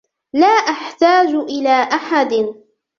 لا أحتاج إلى أحد.